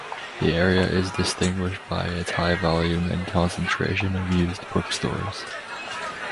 The area is distinguished by its high volume and concentration of used bookstores.